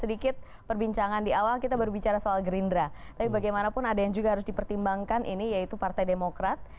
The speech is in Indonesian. tapi kita melihat sedikit perbincangan di awal kita baru bicara soal gerindra tapi bagaimanapun ada yang juga harus dipertimbangkan ini yaitu partai demokrat